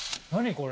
これ。